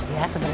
ya sebentar ya